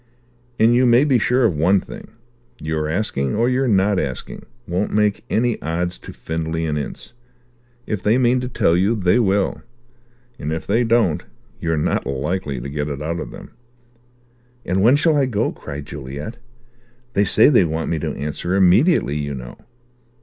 And you may be sure of one thing. Your asking, or your not asking, won't make any odds to Findlay & Ince. If they mean to tell you, they will; and, if they don't, you're not likely to get it out of them." "And when shall I go?" cried Juliet. "They say they want me to answer immediately, you know."